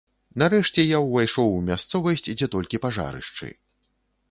Нарэшце я ўвайшоў у мясцовасць, дзе толькі пажарышчы.